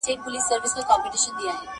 زه مخکي انځور ليدلی و؟